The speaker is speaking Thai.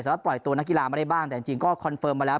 ปล่อยตัวนักกีฬามาได้บ้างแต่จริงก็คอนเฟิร์มมาแล้ว